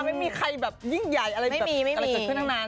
ไม่มีใครแบบยิ่งใหญ่อะไรแบบอะไรขึ้นทั้งนั้น